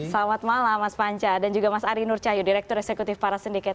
selamat malam mas panca dan juga mas ari nurcayu direktur eksekutif para sendekat